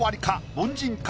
凡人か？